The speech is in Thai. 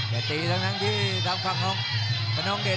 แต่ตีทั้งที่ทางฝั่งของพ่อน้องเด่น